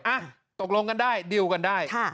อ่ะตกลงกันได้ดิวกันได้